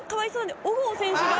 小郷選手が。